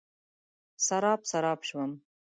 سراب، سراب شوم